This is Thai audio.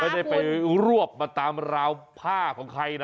ไม่ได้มารวบมาตามราวผ้าคนใครล่ะ